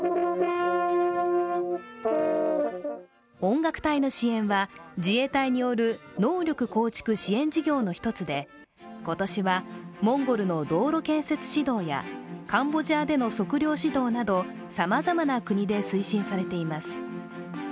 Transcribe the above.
音楽隊の支援は、自衛隊による能力構築支援事業の一つで今年はモンゴルの道路建設指導やカンボジアでの測量指導など、さまざまな国で推進されています。